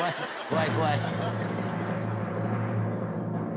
怖い怖い。